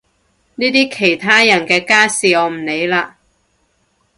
呢啲其他人嘅家事我唔理啦